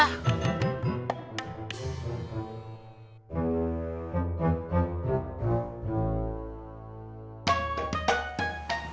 nggak bagus buat lambung